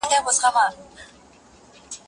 زه پرون مکتب ته وم!.